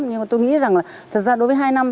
nhưng mà tôi nghĩ rằng là thật ra đối với hai năm